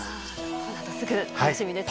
このあとすぐ、楽しみですね。